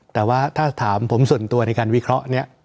แต่ว่าถ้าถามผมส่วนตัวในการวิเคราะห์นี้